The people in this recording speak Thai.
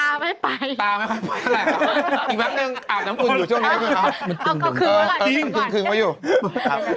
หินแต่หลังตาไม่ไป